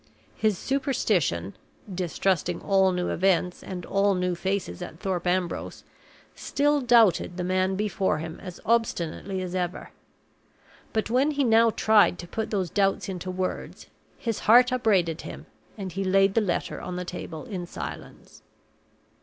His superstition (distrusting all new events and all new faces at Thorpe Ambrose) still doubted the man before him as obstinately as ever. But when he now tried to put those doubts into words, his heart upbraided him, and he laid the letter on the table in silence.